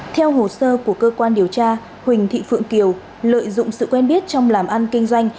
theo hồ sơ của cơ quan điều tra huỳnh thị phượng kiều lợi dụng sự quen biết trong làm ăn kinh doanh